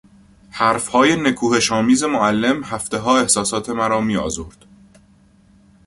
حرفهای نکوهشآمیز معلم هفتهها احساسات مرا میآزرد.